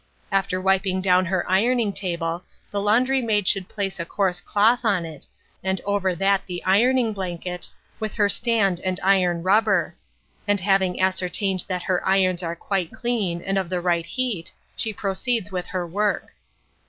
After wiping down her ironing table, the laundry maid should place a coarse cloth on it, and over that the ironing blanket, with her stand and iron rubber; and having ascertained that her irons are quite clean and of the right heat, she proceeds with her work.